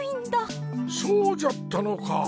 そうじゃったのか。